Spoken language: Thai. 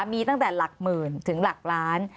มีตั้งแต่หลักหมื่นถึงหลักล้าน